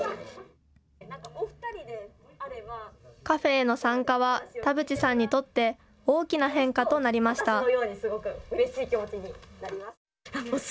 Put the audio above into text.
カフェへの参加は田渕さんにとって大きな変化となりました。